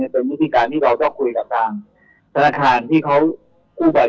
เป็นวิธีการที่เราต้องคุยกับทางธนาคารที่เขากู้ไป